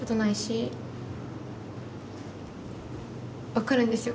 分かるんですよ